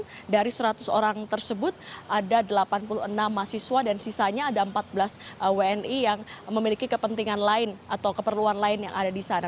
namun dari seratus orang tersebut ada delapan puluh enam mahasiswa dan sisanya ada empat belas wni yang memiliki kepentingan lain atau keperluan lain yang ada di sana